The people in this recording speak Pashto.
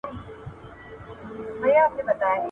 لیکوال د حقیقتونو تر منځ تعامل څېړي.